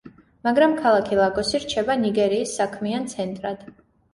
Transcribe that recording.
მაგრამ ქალაქი ლაგოსი რჩება ნიგერიის საქმიან ცენტრად.